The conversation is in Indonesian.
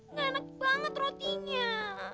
nganek banget rotinya